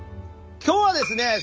今日はですね